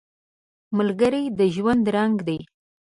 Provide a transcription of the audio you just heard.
ملګری د ژوند رنګ دی